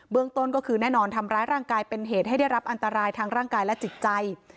ต้นก็คือแน่นอนทำร้ายร่างกายเป็นเหตุให้ได้รับอันตรายทางร่างกายและจิตใจ